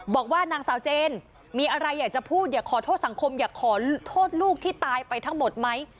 บอกว่านางสาวเจนมีอะไรอยากจะพูดอยากขอโทษสังคมอยากขอโทษลูกที่ตายไปทั้งหมดไหม